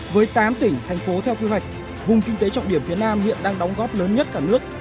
với tám tỉnh thành phố theo kế hoạch vùng kinh tế trọng điểm phía nam hiện đang đóng góp lớn nhất cả nước